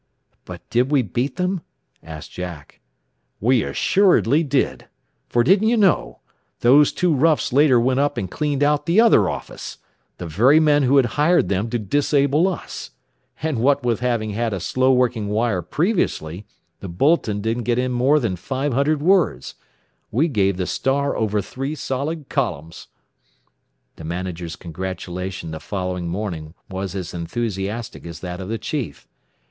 "But did we beat them?" asked Jack. "We assuredly did. For didn't you know? Those two roughs later went up and cleaned out the other office the very men who had hired them to disable us! And what with having had a slow working wire previously, the 'Bulletin' didn't get in more than five hundred words. We gave the 'Star' over three solid columns." The manager's congratulation the following morning was as enthusiastic as that of the chief.